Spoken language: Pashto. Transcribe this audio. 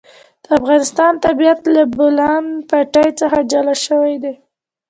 د افغانستان طبیعت له د بولان پټي څخه جوړ شوی دی.